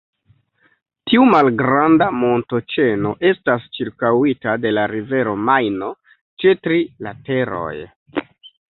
Tiu malgranda montoĉeno estas ĉirkaŭita de la rivero Majno ĉe tri lateroj.